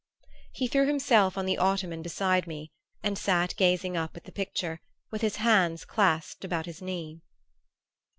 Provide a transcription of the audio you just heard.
He threw himself on the ottoman beside me and sat gazing up at the picture, with his hands clasped about his knee.